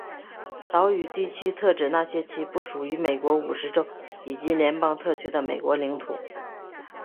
岛屿地区特指那些其不属于美国五十州以及联邦特区的美国领土。